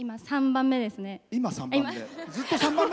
３番目です。